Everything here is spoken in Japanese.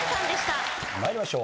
参りましょう。